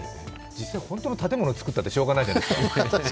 実際に本当の建物を作ったってしょうがないじゃないですか